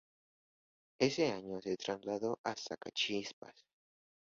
Ese año se trasladó al Sacachispas.